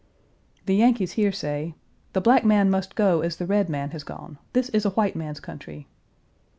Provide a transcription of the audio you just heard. The Yankees here say, "The black man must go as the red man has gone; this is a white man's country."